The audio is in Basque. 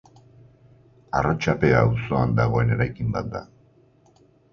Arrotxapea auzoan dagoen eraikin bat da.